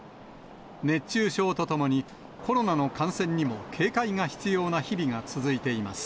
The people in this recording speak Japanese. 熱中症とともに、コロナの感染にも警戒が必要な日々が続いています。